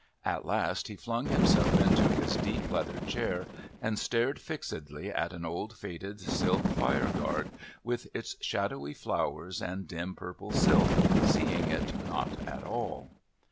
At last he flung himself into his deep leather chair and stared fixedly at an old faded silk fire guard, with its shadowy flowers and dim purple silk, seeing it not at all.